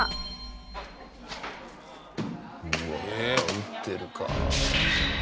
撃ってるか。